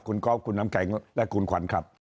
คุณก๊อฟคุณน้ำแข็งและคุณขวัญครับ